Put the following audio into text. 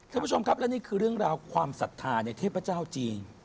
ท่านผู้ชมครับและนี่คือเรื่องราวความศรัทธาในเทพเจ้าจีน